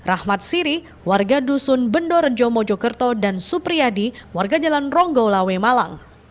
rahmat siri warga dusun bendoran jomo jokerto dan supriyadi warga jalan ronggolawe malang